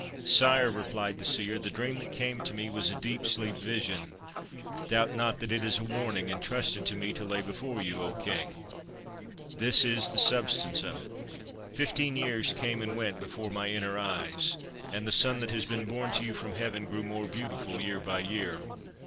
' Sire/ replied the seer, ' the dream that came to me was a deep sleep vision. Doubt not that it is a warning entrusted to me to lay before you. O King, this is the substance of it. Fifteen years came and went before my inner eyes, and the son that has been born to you from heaven grew more beautiful year by year.